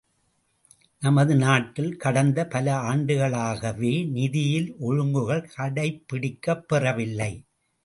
நமது நாட்டில் கடந்த பல ஆண்டுகளாகவே நிதியில் ஒழுங்குகள் கடைப்பிடிக்கப் பெறவில்லை.